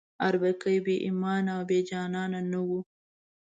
اربکی بې ایمانه او بې جانانه نه وو.